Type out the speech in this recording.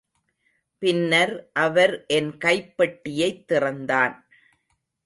பின்னர் அவர் என் கைப்பெட்டியைத் திறந்தான்.